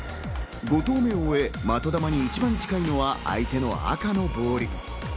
５投目を終え、的球に一番近いのは相手の赤のボール。